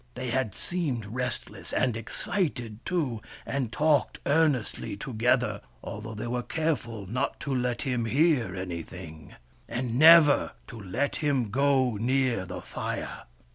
They had seemed restless and excited, too, and talked earnestly together, although they were careful not to let him hear anything, and never to let him go near the fire.